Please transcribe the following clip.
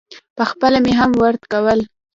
پخپله مې هم ورد کول.